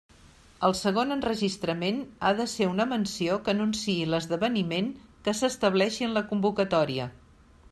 El segon enregistrament ha de ser una menció que anunciï l'esdeveniment que s'estableixi en la convocatòria.